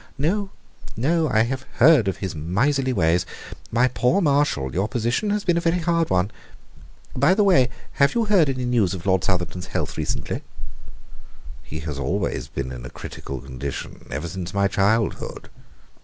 "No, no, I have heard of his miserly ways. My poor Marshall, your position has been a very hard one. By the way, have you heard any news of Lord Southerton's health lately?" "He has always been in a critical condition ever since my childhood."